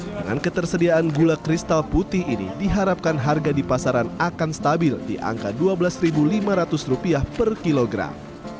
dengan ketersediaan gula kristal putih ini diharapkan harga di pasaran akan stabil di angka rp dua belas lima ratus per kilogram